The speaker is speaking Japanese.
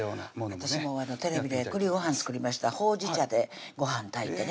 私もテレビでくりごはん作りましたほうじ茶でごはん炊いてね